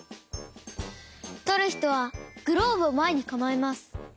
とるひとはグローブをまえにかまえます。